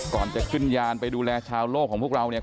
ก่อนจะขึ้นยานไปดูแลชาวโลกของพวกเราเนี่ย